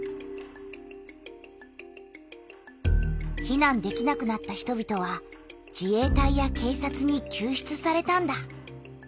避難できなくなった人びとは自衛隊や警察にきゅう出されたんだ。